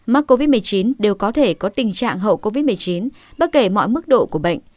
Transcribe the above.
mắc covid một mươi chín đều có thể có tình trạng hậu covid một mươi chín bất kể mọi mức độ của bệnh